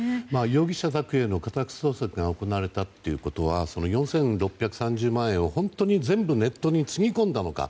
容疑者宅への家宅捜索が行われたということは４６３０万円を本当に全部ネットにつぎ込んだのか。